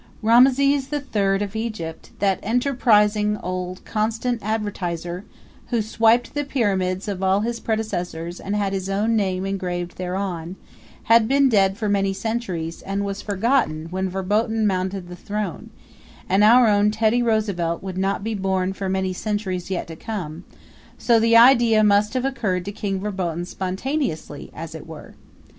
Rameses the Third of Egypt that enterprising old constant advertiser who swiped the pyramids of all his predecessors and had his own name engraved thereon had been dead for many centuries and was forgotten when Verboten mounted the throne, and our own Teddy Roosevelt would not be born for many centuries yet to come; so the idea must have occurred to King Verboten spontaneously, as it were.